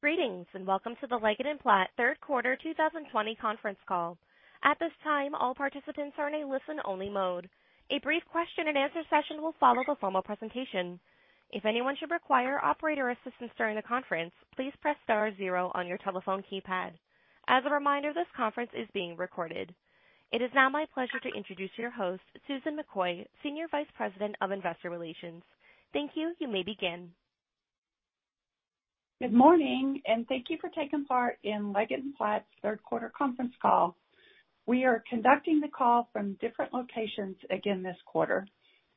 Greetings, welcome to the Leggett & Platt third quarter 2020 conference call. At this time, all participants are in a listen-only mode. A brief question and answer session will follow the formal presentation. If anyone should require operator assistance during the conference, please press star zero on your telephone keypad. As a reminder, this conference is being recorded. It is now my pleasure to introduce your host, Susan McCoy, Senior Vice President of Investor Relations. Thank you. You may begin. Good morning, thank you for taking part in Leggett & Platt's third quarter conference call. We are conducting the call from different locations again this quarter.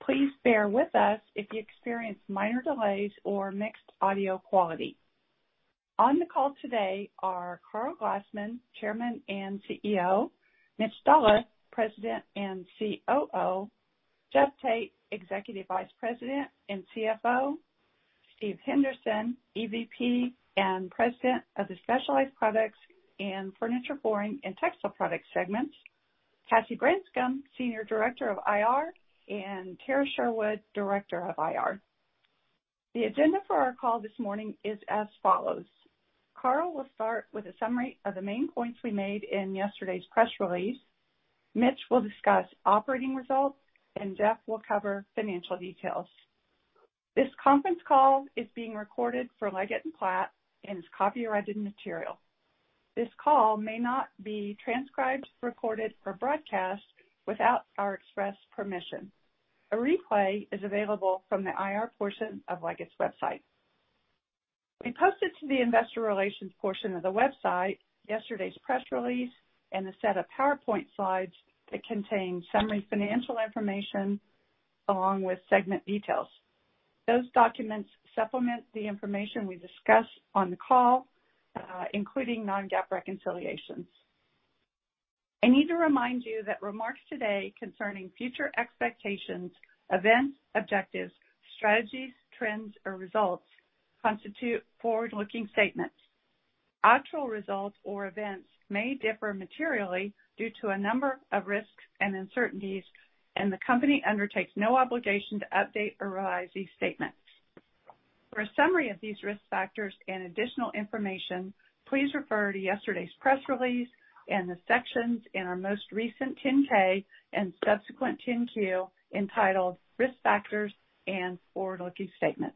Please bear with us if you experience minor delays or mixed audio quality. On the call today are Karl Glassman, Chairman and CEO; Mitch Stoller, President and COO; Jeff Tate, Executive Vice President and CFO; Steve Henderson, EVP and President of the Specialized Products and Furniture, Flooring & Textile Products segments; Cassie J. Branscum, Senior Director of IR; and Tara Sherwood, Director of IR. The agenda for our call this morning is as follows. Karl will start with a summary of the main points we made in yesterday's press release. Mitch will discuss operating results, and Jeff will cover financial details. This conference call is being recorded for Leggett & Platt and is copyrighted material. This call may not be transcribed, recorded, or broadcast without our express permission. A replay is available from the IR portion of Leggett's website. We posted to the investor relations portion of the website yesterday's press release and a set of PowerPoint slides that contain summary financial information along with segment details. Those documents supplement the information we discuss on the call, including non-GAAP reconciliations. I need to remind you that remarks today concerning future expectations, events, objectives, strategies, trends, or results constitute forward-looking statements. Actual results or events may differ materially due to a number of risks and uncertainties, the company undertakes no obligation to update or revise these statements. For a summary of these risk factors and additional information, please refer to yesterday's press release and the sections in our most recent 10-K and subsequent 10-Q entitled Risk Factors and Forward-Looking Statements.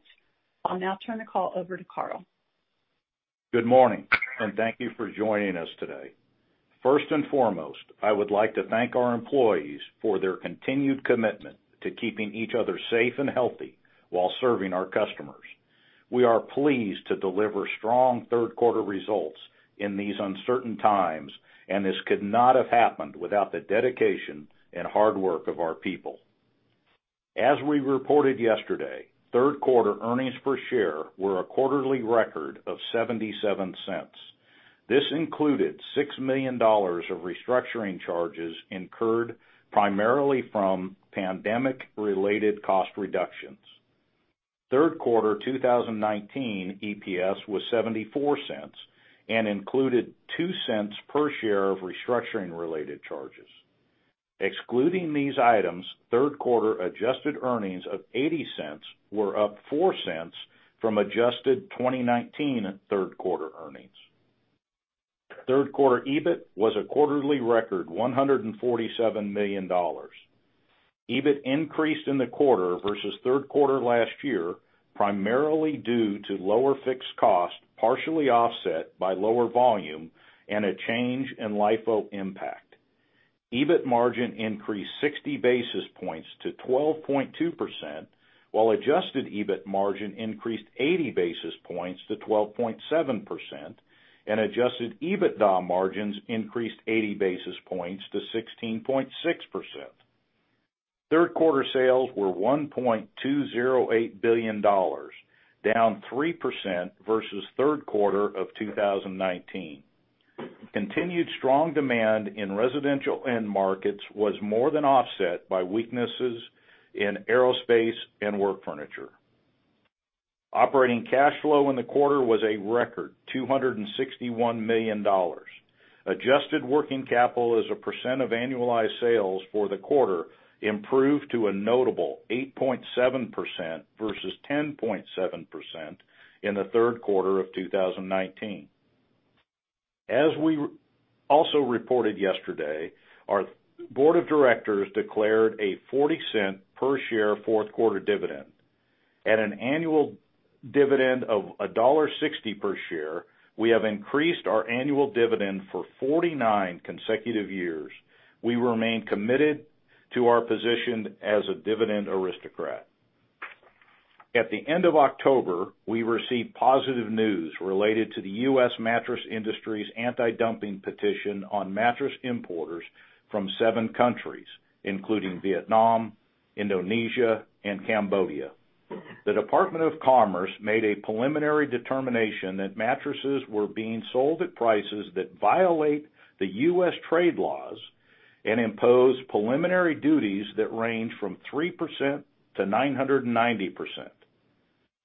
I'll now turn the call over to Karl. Good morning. Thank you for joining us today. First and foremost, I would like to thank our employees for their continued commitment to keeping each other safe and healthy while serving our customers. We are pleased to deliver strong third-quarter results in these uncertain times, and this could not have happened without the dedication and hard work of our people. As we reported yesterday, third quarter earnings per share were a quarterly record of $0.77. This included $6 million of restructuring charges incurred primarily from pandemic-related cost reductions. Third quarter 2019 EPS was $0.74 and included $0.02 per share of restructuring-related charges. Excluding these items, third quarter adjusted earnings of $0.80 were up $0.04 from adjusted 2019 third-quarter earnings. Third quarter EBIT was a quarterly record $147 million. EBIT increased in the quarter versus third quarter last year, primarily due to lower fixed cost, partially offset by lower volume and a change in LIFO impact. EBIT margin increased 60 basis points to 12.2%, while adjusted EBIT margin increased 80 basis points to 12.7%, and adjusted EBITDA margins increased 80 basis points to 16.6%. Third quarter sales were $1.208 billion, down 3% versus third quarter of 2019. Continued strong demand in residential end markets was more than offset by weaknesses in aerospace and work furniture. Operating cash flow in the quarter was a record $261 million. Adjusted working capital as a percent of annualized sales for the quarter improved to a notable 8.7% versus 10.7% in the third quarter of 2019. As we also reported yesterday, our board of directors declared a $0.40 per share fourth quarter dividend at an annual dividend of $1.60 per share. We have increased our annual dividend for 49 consecutive years. We remain committed to our position as a dividend aristocrat. At the end of October, we received positive news related to the U.S. mattress industry's anti-dumping petition on mattress importers from seven countries, including Vietnam, Indonesia, and Cambodia. The Department of Commerce made a preliminary determination that mattresses were being sold at prices that violate the U.S. trade laws and impose preliminary duties that range from 3%-990%.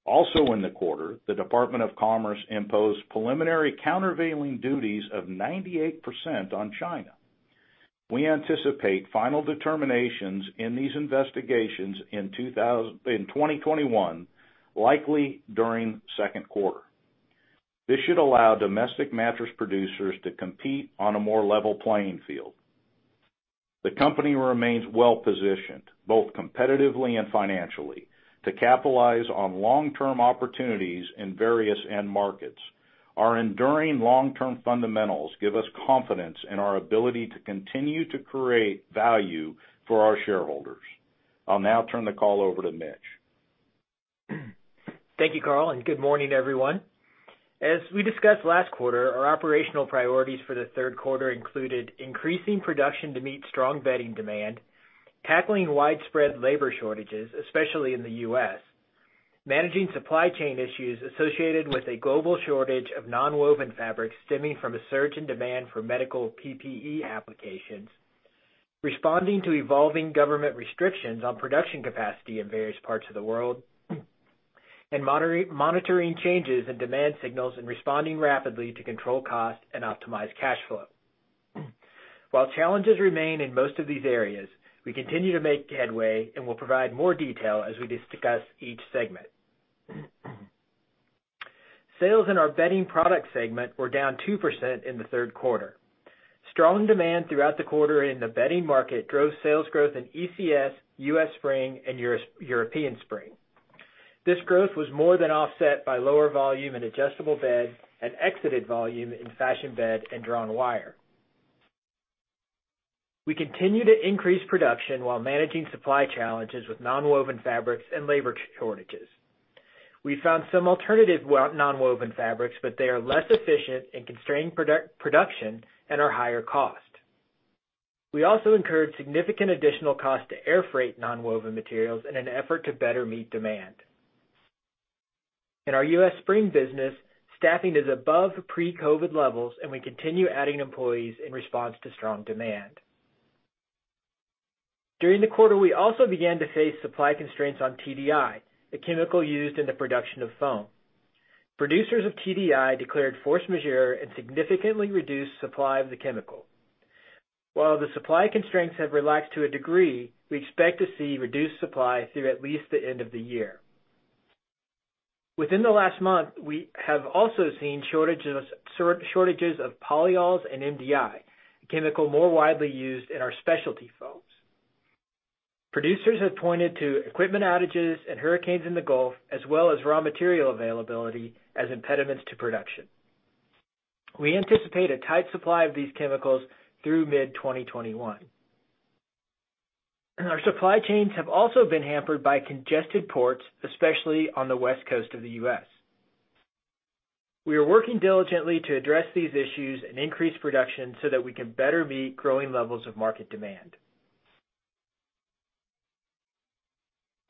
Also in the quarter, the Department of Commerce imposed preliminary countervailing duties of 98% on China. We anticipate final determinations in these investigations in 2021, likely during second quarter. This should allow domestic mattress producers to compete on a more level playing field. The company remains well-positioned, both competitively and financially, to capitalize on long-term opportunities in various end markets. Our enduring long-term fundamentals give us confidence in our ability to continue to create value for our shareholders. I'll now turn the call over to Mitch. Thank you, Karl, and good morning, everyone. As we discussed last quarter, our operational priorities for the third quarter included increasing production to meet strong bedding demand, tackling widespread labor shortages, especially in the U.S., managing supply chain issues associated with a global shortage of nonwoven fabrics stemming from a surge in demand for medical PPE applications, responding to evolving government restrictions on production capacity in various parts of the world, and monitoring changes in demand signals and responding rapidly to control cost and optimize cash flow. While challenges remain in most of these areas, we continue to make headway and will provide more detail as we discuss each segment. Sales in our Bedding Products segment were down 2% in the third quarter. Strong demand throughout the quarter in the bedding market drove sales growth in ECS, U.S. Spring, and European Spring. This growth was more than offset by lower volume in adjustable bed and exited volume in Fashion Bed and Drawn Wire. We continue to increase production while managing supply challenges with nonwoven fabrics and labor shortages. We found some alternative nonwoven fabrics, but they are less efficient and constrain production and are higher cost. We also incurred significant additional cost to air freight nonwoven materials in an effort to better meet demand. In our U.S. Spring business, staffing is above pre-COVID levels, and we continue adding employees in response to strong demand. During the quarter, we also began to face supply constraints on TDI, a chemical used in the production of foam. Producers of TDI declared force majeure and significantly reduced supply of the chemical. While the supply constraints have relaxed to a degree, we expect to see reduced supply through at least the end of the year. Within the last month, we have also seen shortages of polyols and MDI, a chemical more widely used in our specialty foams. Producers have pointed to equipment outages and hurricanes in the Gulf, as well as raw material availability as impediments to production. We anticipate a tight supply of these chemicals through mid-2021. Our supply chains have also been hampered by congested ports, especially on the West Coast of the U.S. We are working diligently to address these issues and increase production so that we can better meet growing levels of market demand.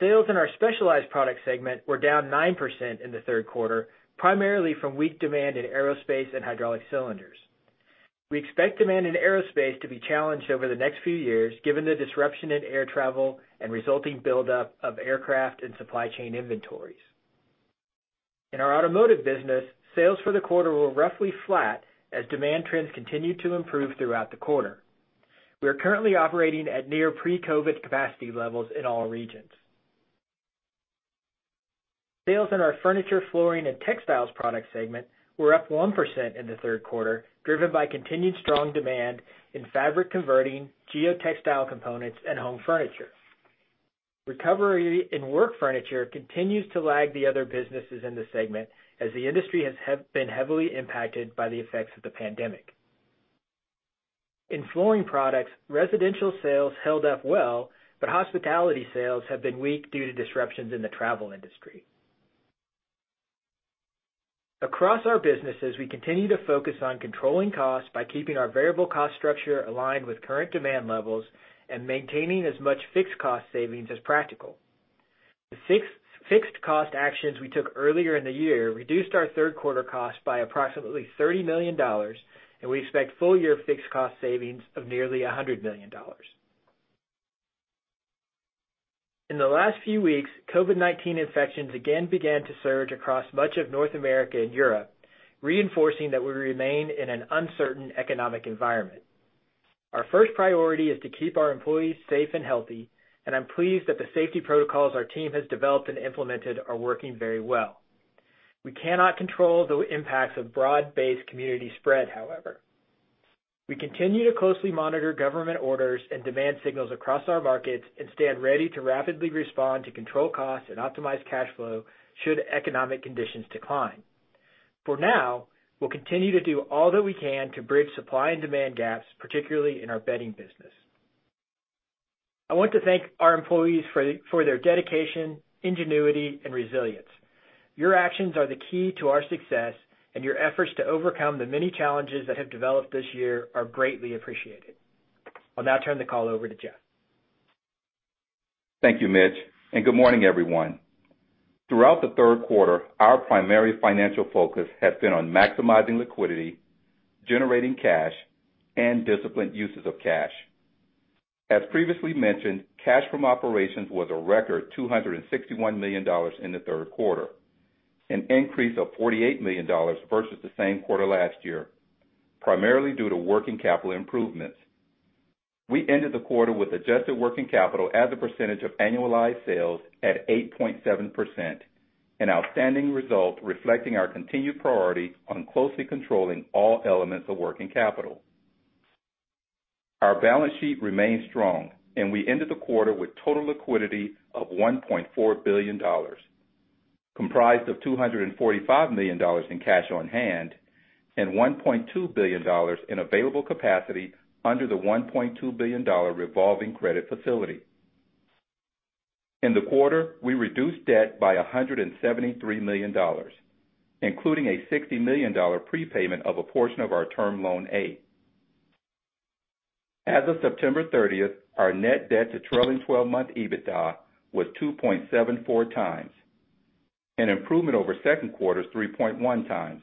Sales in our Specialized Products segment were down 9% in the third quarter, primarily from weak demand in aerospace and hydraulic cylinders. We expect demand in aerospace to be challenged over the next few years, given the disruption in air travel and resulting buildup of aircraft and supply chain inventories. In our automotive business, sales for the quarter were roughly flat as demand trends continued to improve throughout the quarter. We are currently operating at near pre-COVID capacity levels in all regions. Sales in our Furniture, Flooring & Textile Products segment were up 1% in the third quarter, driven by continued strong demand in fabric converting, geotextile components, and home furniture. Recovery in work furniture continues to lag the other businesses in the segment, as the industry has been heavily impacted by the effects of the pandemic. In flooring products, residential sales held up well, but hospitality sales have been weak due to disruptions in the travel industry. Across our businesses, we continue to focus on controlling costs by keeping our variable cost structure aligned with current demand levels and maintaining as much fixed cost savings as practical. The fixed cost actions we took earlier in the year reduced our third quarter costs by approximately $30 million, and we expect full-year fixed cost savings of nearly $100 million. In the last few weeks, COVID-19 infections again began to surge across much of North America and Europe, reinforcing that we remain in an uncertain economic environment. Our first priority is to keep our employees safe and healthy, and I'm pleased that the safety protocols our team has developed and implemented are working very well. We cannot control the impacts of broad-based community spread, however. We continue to closely monitor government orders and demand signals across our markets and stand ready to rapidly respond to control costs and optimize cash flow should economic conditions decline. For now, we'll continue to do all that we can to bridge supply and demand gaps, particularly in our bedding business. I want to thank our employees for their dedication, ingenuity, and resilience. Your actions are the key to our success, and your efforts to overcome the many challenges that have developed this year are greatly appreciated. I'll now turn the call over to Jeff. Thank you, Mitch, and good morning, everyone. Throughout the third quarter, our primary financial focus has been on maximizing liquidity, generating cash, and disciplined uses of cash. As previously mentioned, cash from operations was a record $261 million in the third quarter, an increase of $48 million versus the same quarter last year, primarily due to working capital improvements. We ended the quarter with adjusted working capital as a percentage of annualized sales at 8.7%, an outstanding result reflecting our continued priority on closely controlling all elements of working capital. Our balance sheet remains strong, and we ended the quarter with total liquidity of $1.4 billion, comprised of $245 million in cash on hand and $1.2 billion in available capacity under the $1.2 billion revolving credit facility. In the quarter, we reduced debt by $173 million, including a $60 million prepayment of a portion of our term loan A. As of September 30th, our net debt to trailing 12-month EBITDA was 2.74 times, an improvement over second quarter's 3.1 times.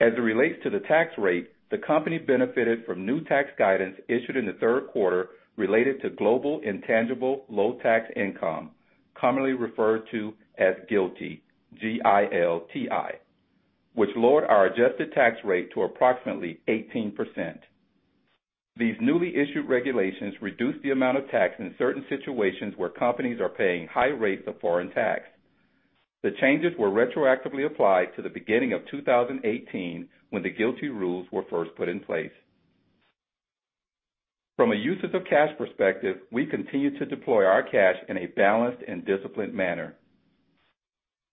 As it relates to the tax rate, the company benefited from new tax guidance issued in the third quarter related to global intangible low tax income, commonly referred to as GILTI, G-I-L-T-I, which lowered our adjusted tax rate to approximately 18%. These newly issued regulations reduced the amount of tax in certain situations where companies are paying high rates of foreign tax. The changes were retroactively applied to the beginning of 2018, when the GILTI rules were first put in place. From a uses of cash perspective, we continue to deploy our cash in a balanced and disciplined manner.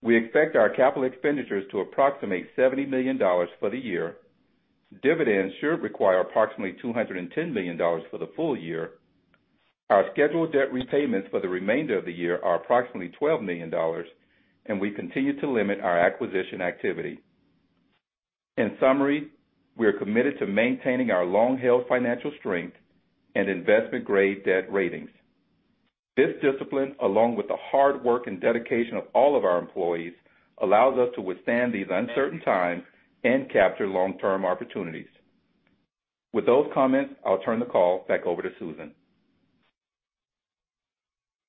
We expect our capital expenditures to approximate $70 million for the year. Dividends should require approximately $210 million for the full year. Our scheduled debt repayments for the remainder of the year are approximately $12 million, and we continue to limit our acquisition activity. In summary, we are committed to maintaining our long-held financial strength and investment-grade debt ratings. This discipline, along with the hard work and dedication of all of our employees, allows us to withstand these uncertain times and capture long-term opportunities. With those comments, I'll turn the call back over to Susan.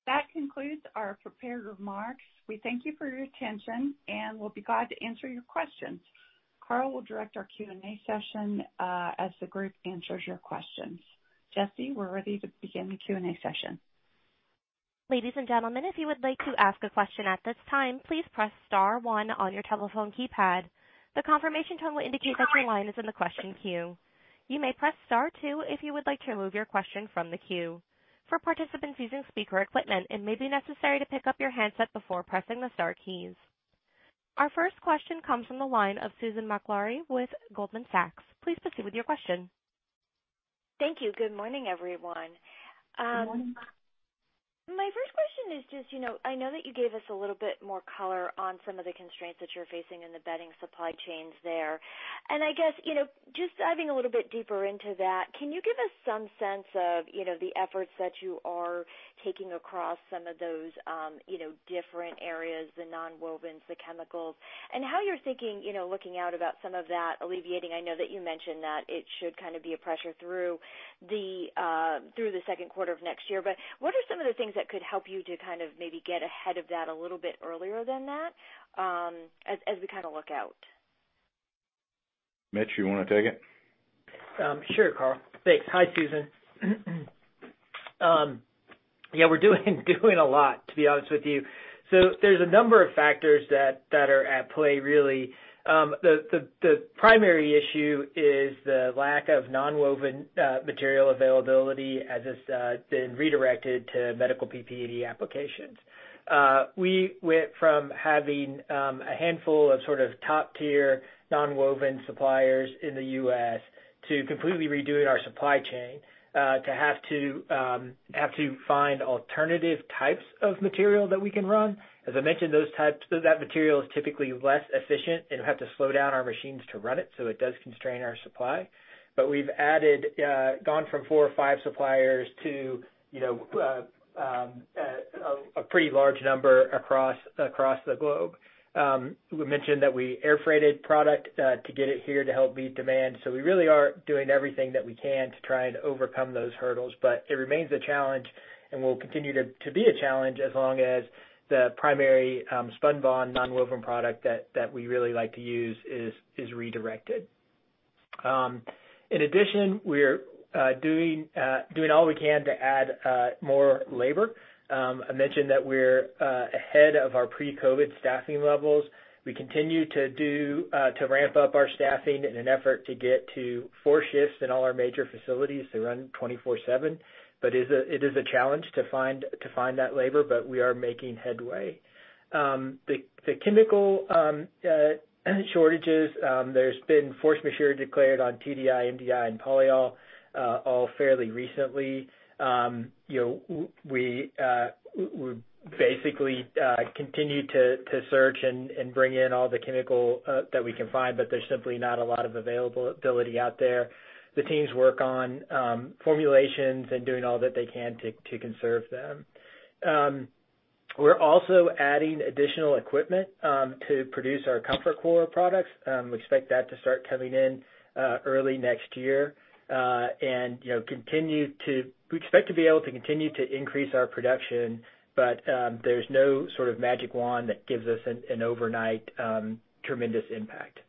That concludes our prepared remarks. We thank you for your attention, and we'll be glad to answer your questions. Karl will direct our Q&A session, as the group answers your questions. Jesse, we're ready to begin the Q&A session. Ladies and gentlemen, if you would like to ask a question at this time, please press star one on your telephone keypad. The confirmation tone will indicate that your line is in the question queue. You may press star two if you would like to remove your question from the queue. For participants using speaker equipment, it may be necessary to pick up your handset before pressing the star keys. Our first question comes from the line of Susan Maklari with Goldman Sachs. Please proceed with your question. Thank you. Good morning, everyone. Good morning. My first question is just, I know that you gave us a little bit more color on some of the constraints that you're facing in the bedding supply chains there. I guess, just diving a little bit deeper into that, can you give us some sense of the efforts that you are taking across some of those different areas, the nonwovens, the chemicals, and how you're thinking, looking out about some of that alleviating? I know that you mentioned that it should kind of be a pressure through the second quarter of next year. What are some of the things that could help you to kind of maybe get ahead of that a little bit earlier than that, as we kind of look out? Mitch, you want to take it? Sure, Karl. Thanks. Hi, Susan. Yeah, we're doing a lot, to be honest with you. There's a number of factors that are at play, really. The primary issue is the lack of nonwoven material availability as it's been redirected to medical PPE applications. We went from having a handful of sort of top-tier nonwoven suppliers in the U.S. to completely redoing our supply chain, to have to find alternative types of material that we can run. As I mentioned, those types, that material is typically less efficient, and we have to slow down our machines to run it, so it does constrain our supply. We've gone from four or five suppliers to a pretty large number across the globe. We mentioned that we air freighted product to get it here to help meet demand. We really are doing everything that we can to try and overcome those hurdles, but it remains a challenge and will continue to be a challenge as long as the primary spunbond nonwoven product that we really like to use is redirected. In addition, we're doing all we can to add more labor. I mentioned that we're ahead of our pre-COVID staffing levels. We continue to ramp up our staffing in an effort to get to 4 shifts in all our major facilities to run 24/7. It is a challenge to find that labor, but we are making headway. The chemical shortages, there's been force majeure declared on TDI, MDI, and polyol, all fairly recently. We basically continue to search and bring in all the chemical that we can find, but there's simply not a lot of availability out there. The teams work on formulations and doing all that they can to conserve them. We're also adding additional equipment to produce our ComfortCore products. We expect that to start coming in early next year. We expect to be able to continue to increase our production, but there's no sort of magic wand that gives us an overnight tremendous impact.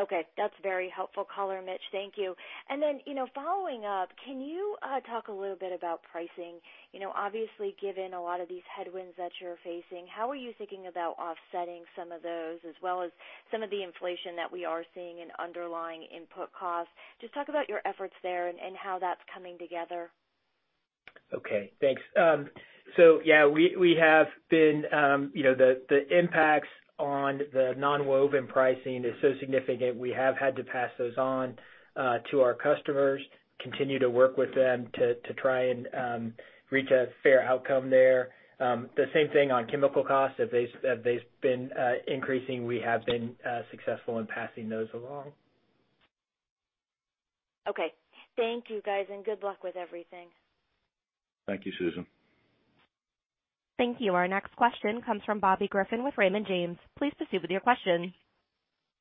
Okay. That's very helpful color, Mitch, thank you. Following up, can you talk a little bit about pricing? Obviously, given a lot of these headwinds that you're facing, how are you thinking about offsetting some of those as well as some of the inflation that we are seeing in underlying input costs? Just talk about your efforts there and how that's coming together. Okay, thanks. The impacts on the nonwoven pricing is so significant, we have had to pass those on to our customers, continue to work with them to try and reach a fair outcome there. The same thing on chemical costs. As they've been increasing, we have been successful in passing those along. Okay. Thank you, guys. Good luck with everything. Thank you, Susan. Thank you. Our next question comes from Bobby Griffin with Raymond James. Please proceed with your question.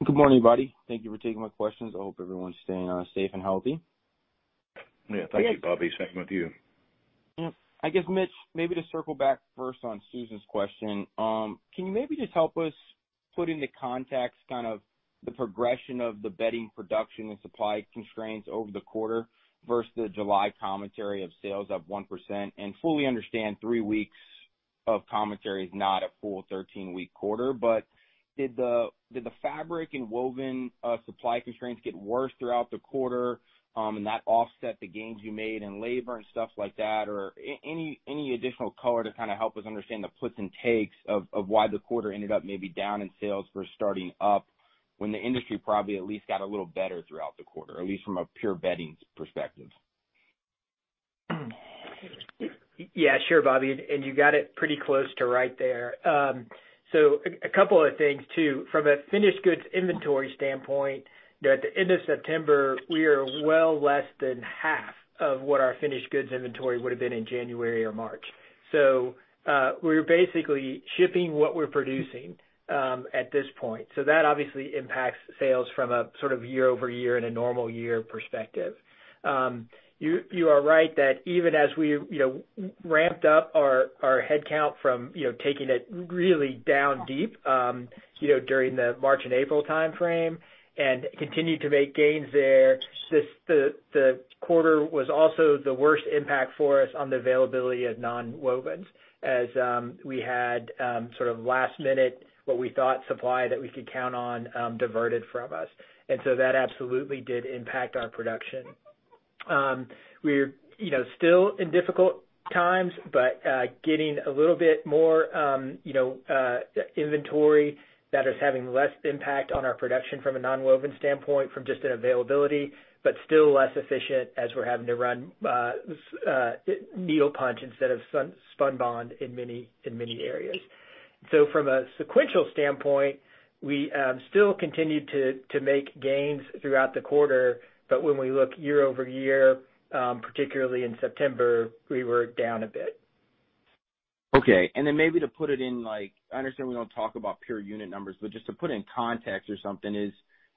Good morning, everybody. Thank you for taking my questions. I hope everyone's staying safe and healthy. Yeah. Thank you, Bobby. Same with you. Yep. I guess, Mitch, maybe to circle back first on Susan's question, can you maybe just help us put into context kind of the progression of the bedding production and supply constraints over the quarter versus the July commentary of sales up 1%? Fully understand three weeks of commentary is not a full 13-week quarter, but did the fabric and woven supply constraints get worse throughout the quarter, and that offset the gains you made in labor and stuff like that? Any additional color to kind of help us understand the puts and takes of why the quarter ended up maybe down in sales for starting up when the industry probably at least got a little better throughout the quarter, at least from a pure beddings perspective? Yeah, sure, Bobby, you got it pretty close to right there. A couple of things too. From a finished goods inventory standpoint, at the end of September, we are well less than half of what our finished goods inventory would've been in January or March. We're basically shipping what we're producing at this point. That obviously impacts sales from a sort of year-over-year in a normal year perspective. You are right that even as we ramped up our headcount from taking it really down deep during the March and April timeframe and continued to make gains there, the quarter was also the worst impact for us on the availability of nonwovens, as we had sort of last minute, what we thought supply that we could count on, diverted from us. That absolutely did impact our production. We're still in difficult times, but getting a little bit more inventory that is having less impact on our production from a nonwoven standpoint from just an availability, but still less efficient as we're having to run needle punch instead of spunbond in many areas. From a sequential standpoint, we still continued to make gains throughout the quarter. When we look year-over-year, particularly in September, we were down a bit. Maybe to put it in, I understand we don't talk about pure unit numbers, but just to put it in context or something is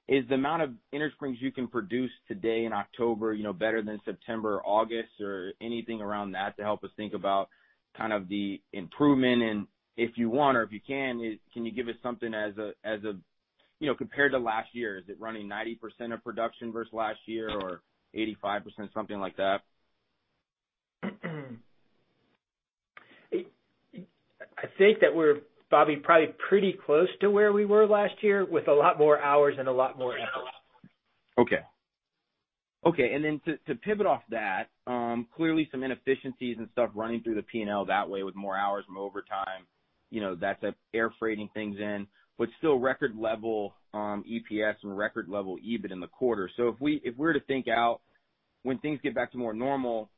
the amount of innersprings you can produce today in October better than September or August or anything around that to help us think about kind of the improvement? If you want or if you can you give us something as a compared to last year? Is it running 90% of production versus last year or 85%, something like that? I think that we're, Bobby, probably pretty close to where we were last year with a lot more hours and a lot more help. To pivot off that, clearly some inefficiencies and stuff running through the P&L that way with more hours, more overtime, that's air freighting things in, but still record level EPS and record level EBIT in the quarter. If we're to think out when things get back to more normal,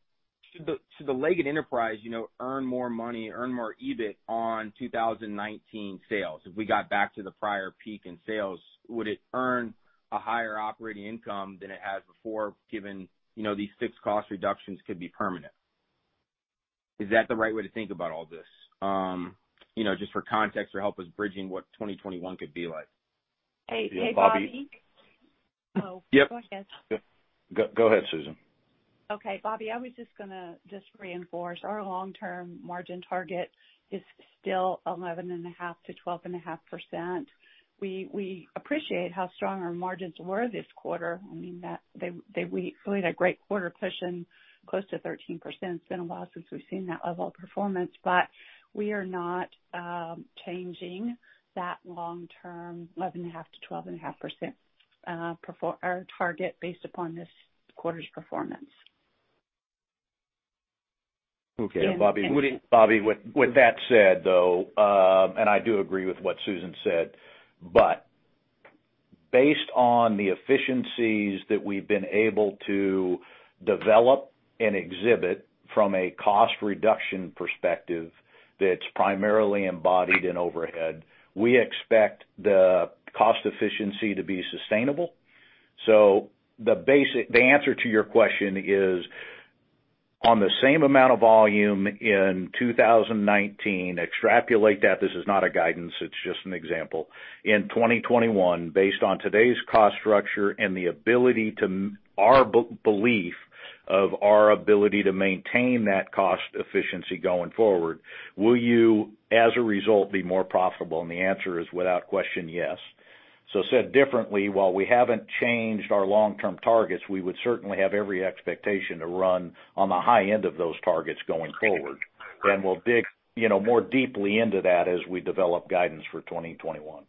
should the Leggett enterprise earn more money, earn more EBIT on 2019 sales? If we got back to the prior peak in sales, would it earn a higher operating income than it has before, given these fixed cost reductions could be permanent? Is that the right way to think about all this? Just for context or help us bridging what 2021 could be like. Yeah, Bobby. Hey, Bobby. Yep. Oh, go ahead. Go ahead, Susan. Okay. Bobby, I was just gonna just reinforce. Our long-term margin target is still 11.5%-12.5%. We appreciate how strong our margins were this quarter. We had a great quarter pushing close to 13%. It's been a while since we've seen that level of performance, but we are not changing that long term 11.5%-12.5% target based upon this quarter's performance. Bobby, with that said, though, I do agree with what Susan said, but based on the efficiencies that we've been able to develop and exhibit from a cost reduction perspective that's primarily embodied in overhead, we expect the cost efficiency to be sustainable. The answer to your question is on the same amount of volume in 2019, extrapolate that, this is not a guidance, it's just an example. In 2021, based on today's cost structure and our belief of our ability to maintain that cost efficiency going forward, will you, as a result, be more profitable? The answer is, without question, yes. Said differently, while we haven't changed our long-term targets, we would certainly have every expectation to run on the high end of those targets going forward. We'll dig more deeply into that as we develop guidance for 2021.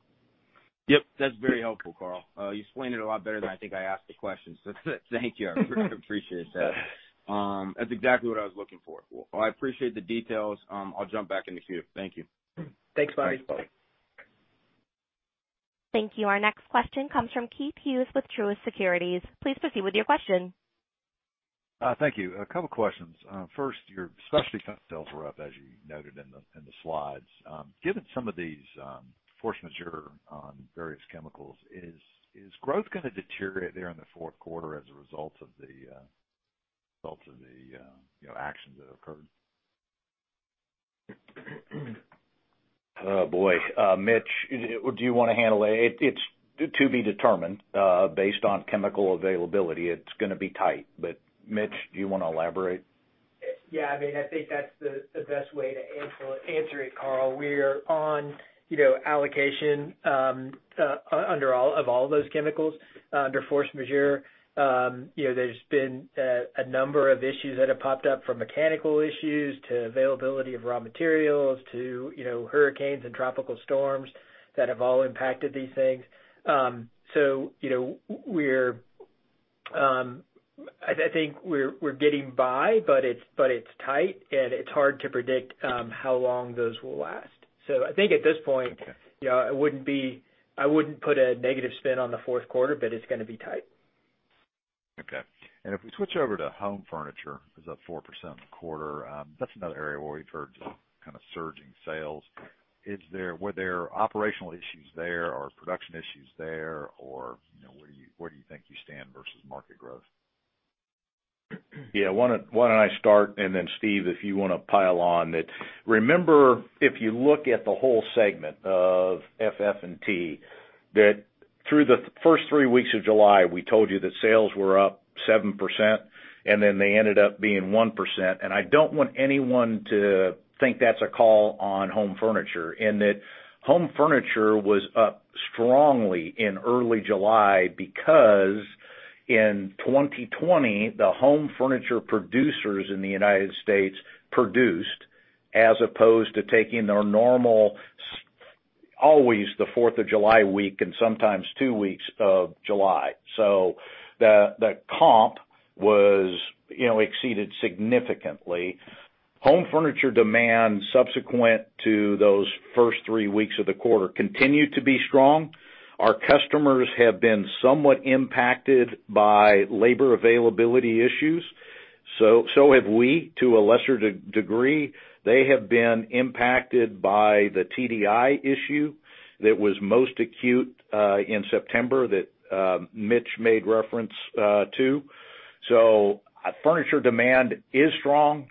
Yep. That's very helpful, Karl. You explained it a lot better than I think I asked the question. Thank you. I appreciate that. That's exactly what I was looking for. I appreciate the details. I'll jump back in the queue. Thank you. Thanks, Bobby. Thanks. Thank you. Our next question comes from Keith Hughes with Truist Securities. Please proceed with your question. Thank you. A couple questions. First, your specialty chemicals were up, as you noted in the slides. Given some of these force majeure on various chemicals, is growth going to deteriorate there in the fourth quarter as a result of the actions that occurred? Oh, boy. Mitch, do you want to handle it? It's to be determined based on chemical availability. It's going to be tight. Mitch, do you want to elaborate? Yeah. I think that's the best way to answer it, Carl. We're on allocation of all of those chemicals under force majeure. There's been a number of issues that have popped up, from mechanical issues to availability of raw materials to hurricanes and tropical storms that have all impacted these things. I think we're getting by, but it's tight, and it's hard to predict how long those will last. I think at this point, I wouldn't put a negative spin on the fourth quarter, but it's going to be tight. Okay. If we switch over to home furniture, it's up 4% in the quarter. That's another area where we've heard surging sales. Were there operational issues there or production issues there, or where do you think you stand versus market growth? Yeah. Why don't I start and then Steve, if you want to pile on that. Remember, if you look at the whole segment of FF&T, that through the first three weeks of July, we told you that sales were up 7%, and then they ended up being 1%. I don't want anyone to think that's a call on home furniture, and that home furniture was up strongly in early July because in 2020, the home furniture producers in the U.S. produced as opposed to taking their normal, always the Fourth of July week and sometimes two weeks of July. The comp exceeded significantly. Home furniture demand subsequent to those first three weeks of the quarter continued to be strong. Our customers have been somewhat impacted by labor availability issues. Have we to a lesser degree. They have been impacted by the TDI issue that was most acute in September that Mitch made reference to. Furniture demand is strong.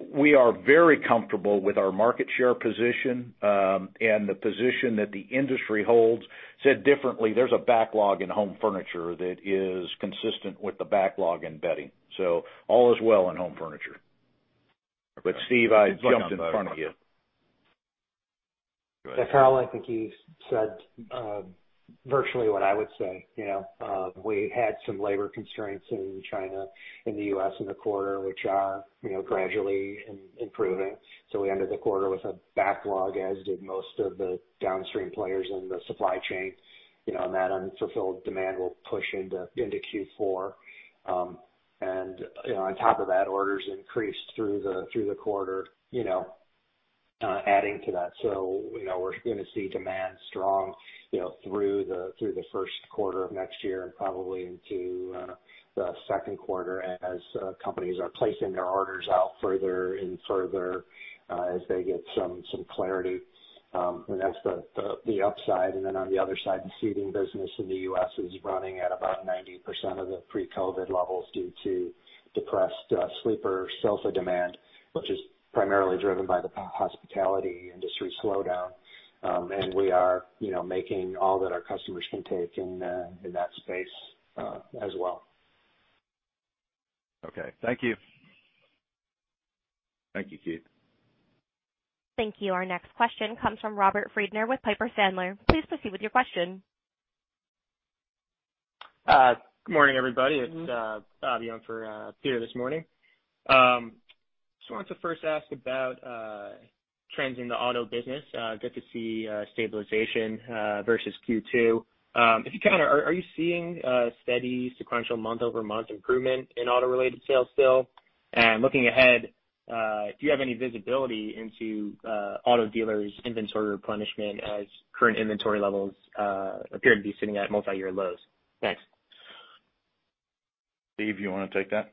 We are very comfortable with our market share position, and the position that the industry holds. Said differently, there's a backlog in home furniture that is consistent with the backlog in bedding. All is well in home furniture. Steve, I jumped in front of you. Go ahead. Karl, I think you said virtually what I would say. We had some labor constraints in China, in the U.S. in the quarter, which are gradually improving. We ended the quarter with a backlog, as did most of the downstream players in the supply chain, and that unfulfilled demand will push into Q4. On top of that, orders increased through the quarter adding to that. We're going to see demand strong through the first quarter of next year and probably into the second quarter as companies are placing their orders out further and further as they get some clarity. That's the upside. Then on the other side, the seating business in the U.S. is running at about 90% of the pre-COVID levels due to depressed sleeper sofa demand, which is primarily driven by the hospitality industry slowdown. We are making all that our customers can take in that space as well. Okay. Thank you. Thank you, Keith. Thank you. Our next question comes from Robert Friedner with Piper Sandler. Please proceed with your question. Good morning, everybody. It's Aviance for Peter this morning. Just wanted to first ask about trends in the auto business. Good to see stabilization versus Q2. If you can, are you seeing steady sequential month-over-month improvement in auto-related sales still? Looking ahead, do you have any visibility into auto dealers' inventory replenishment as current inventory levels appear to be sitting at multi-year lows? Thanks. Steve, you want to take that?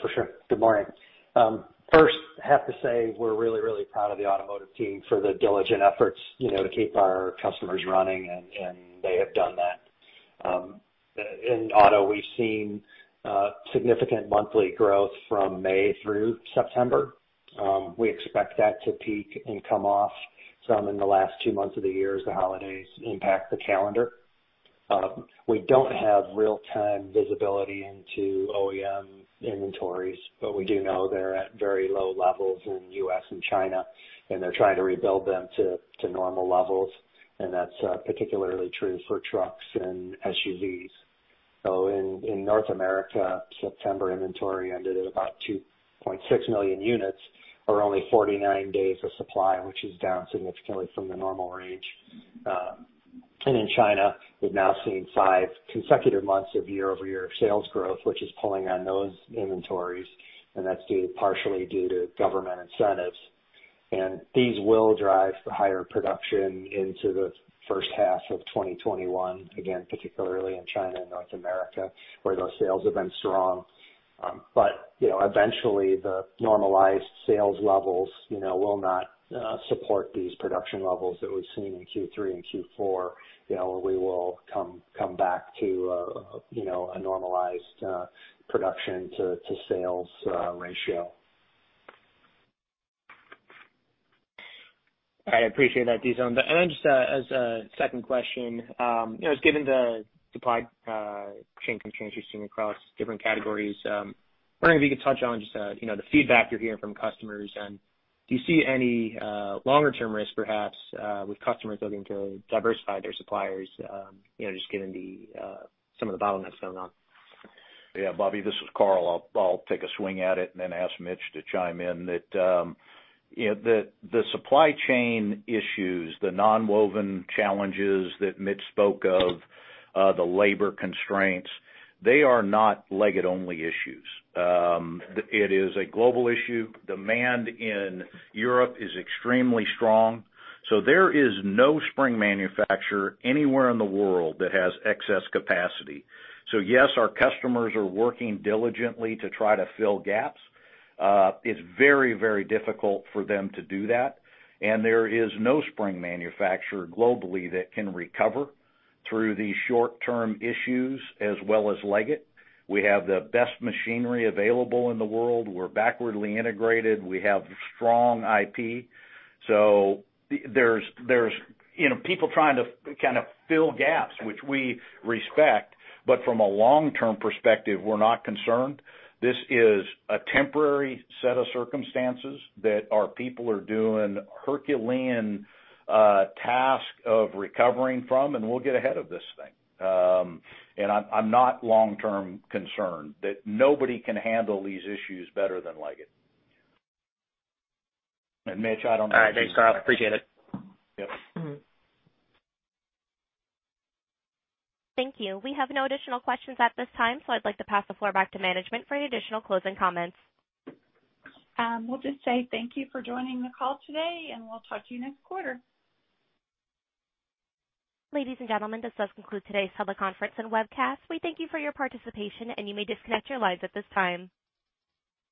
For sure. Good morning. First, have to say we're really, really proud of the automotive team for the diligent efforts to keep our customers running. They have done that. In auto, we've seen significant monthly growth from May through September. We expect that to peak and come off some in the last two months of the year as the holidays impact the calendar. We don't have real-time visibility into OEM inventories, but we do know they're at very low levels in U.S. and China. They're trying to rebuild them to normal levels. That's particularly true for trucks and SUVs. In North America, September inventory ended at about 2.6 million units or only 49 days of supply, which is down significantly from the normal range. In China, we've now seen five consecutive months of year-over-year sales growth, which is pulling on those inventories. That's partially due to government incentives. These will drive higher production into the first half of 2021, again, particularly in China and North America where those sales have been strong. Eventually the normalized sales levels will not support these production levels that we've seen in Q3 and Q4. We will come back to a normalized production to sales ratio. I appreciate that, Dizon. Just as a second question, given the supply chain constraints you're seeing across different categories, wondering if you could touch on just the feedback you're hearing from customers, and do you see any longer term risk perhaps with customers looking to diversify their suppliers just given some of the bottlenecks going on? Yeah, Bobby, this is Karl. I'll take a swing at it and then ask Mitch to chime in. The supply chain issues, the nonwoven challenges that Mitch spoke of, the labor constraints, they are not Leggett-only issues. It is a global issue. Demand in Europe is extremely strong. There is no spring manufacturer anywhere in the world that has excess capacity. Yes, our customers are working diligently to try to fill gaps. It's very, very difficult for them to do that. There is no spring manufacturer globally that can recover through these short-term issues as well as Leggett. We have the best machinery available in the world. We're backwardly integrated. We have strong IP. There's people trying to fill gaps, which we respect, but from a long-term perspective, we're not concerned. This is a temporary set of circumstances that our people are doing Herculean task of recovering from, we'll get ahead of this thing. I'm not long-term concerned that nobody can handle these issues better than Leggett. Mitch, I don't know if you- All right. Thanks, Karl. Appreciate it. Yep. Thank you. We have no additional questions at this time. I'd like to pass the floor back to management for any additional closing comments. We'll just say thank you for joining the call today. We'll talk to you next quarter. Ladies and gentlemen, this does conclude today's teleconference and webcast. We thank you for your participation. You may disconnect your lines at this time.